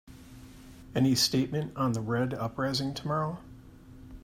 Any statement on the Red uprising tomorrow?